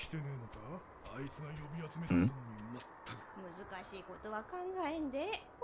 ・難しいことは考えんでええ。